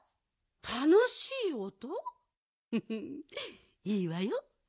フフいいわよ。